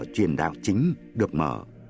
truyền đạo chính được mở